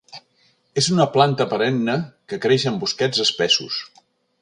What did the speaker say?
És una planta perenne que creix en bosquets espessos.